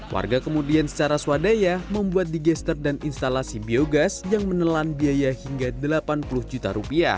warga kemudian secara swadaya membuat digester dan instalasi biogas yang menelan biaya hingga rp delapan puluh juta